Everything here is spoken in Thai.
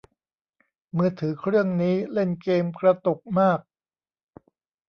มือถือเครื่องนี้เล่นเกมกระตุกมาก